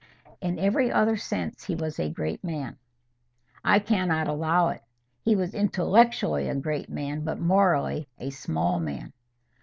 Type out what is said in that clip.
"In every other sense he was a great man." "I cannot allow it. He was intellectually a great man, but morally a small man."